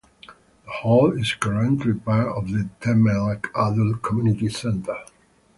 The hall is currently part of the Temelec Adult Community Center.